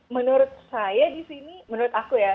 menurut saya di sini menurut aku ya